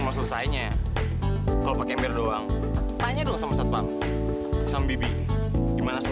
yaudah sini biar aku cuci pakai sel